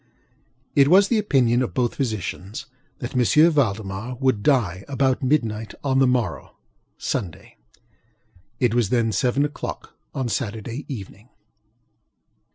It was the opinion of both physicians that M. Valdemar would die about midnight on the morrow (Sunday). It was then seven oŌĆÖclock on Saturday evening.